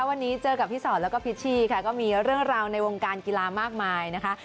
วันนี้เจอกับพี่สอนแล้วก็พิชชี่ค่ะก็มีเรื่องราวในวงการกีฬามากมายนะคะ